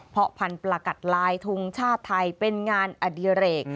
เพราะพันธุ์ประกัดลายทงชาติไทยเป็นงานอดิเรก